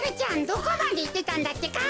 どこまでいってたんだってか。